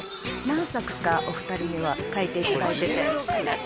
何作かお二人には書いていただいててえっ